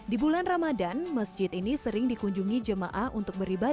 di bulan ramadan masjid ini sering dikunjungi jemaah untuk beribadah